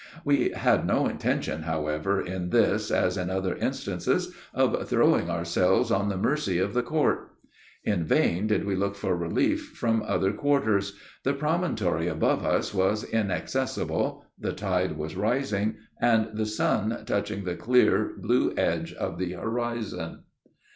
We had no intention, however, in this, as in other instances, of "throwing ourselves on the mercy of the court." In vain did we look for relief from other quarters; the promontory above us was inaccessible; the tide was rising, and the sun touching the clear, blue edge of the horizon.